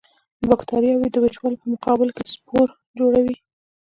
بکټریاوې د وچوالي په مقابل کې سپور جوړوي.